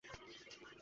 ওহ, ওরা চোরাশিকারি।